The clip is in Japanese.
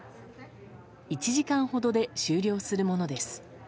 １時間ほどで終了するものです。